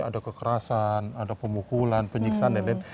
ada kekerasan ada pemukulan penyiksaan dan lain lain